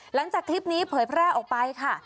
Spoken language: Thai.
หลังจากคลิปนี้เผยแพร่ออกไปค่ะ